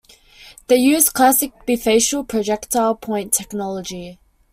They used classic bifacial projectile point technology.